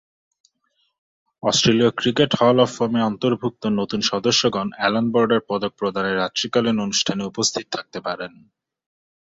অস্ট্রেলীয় cricket hall of ফেমে অন্তর্ভুক্ত নতুন সদস্যগণ অ্যালান বর্ডার পদক প্রদানের রাত্রিকালীন অনুষ্ঠানে উপস্থিত থাকতে পারেন।